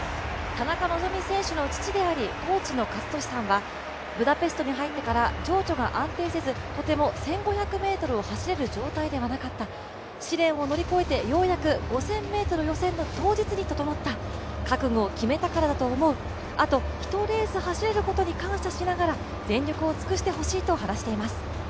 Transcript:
田中希実選手の父である、コーチの健智さんはブダペストに入ってからは情緒が安定せずとても１５００ｍを走れる状態ではなかった、試練を乗り越えてようやく５０００ｍ予選の当日に整った、覚悟を決めたからだと思う、あと１レース走れることに感謝しながら全力を尽くしてほしいと話しています。